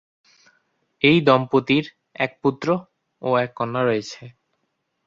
এই দম্পতির এক পুত্র ও এক কন্যা রয়েছে।